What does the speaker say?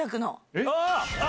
えっ？